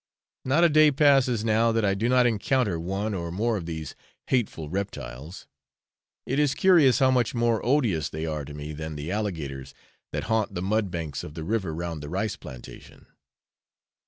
Not a day passes now that I do not encounter one or more of these hateful reptiles; it is curious how much more odious they are to me than the alligators that haunt the mud banks of the river round the rice plantation.